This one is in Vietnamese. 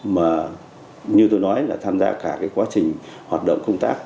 mà như tôi nói là tham gia cả cái quá trình hoạt động công tác